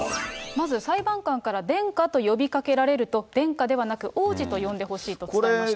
まず裁判官から殿下と呼びかけられると、殿下ではなく王子と呼んでほしいと伝えました。